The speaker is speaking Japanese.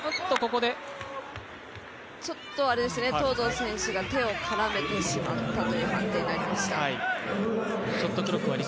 東藤選手が手を絡めてしまったという判定になりました。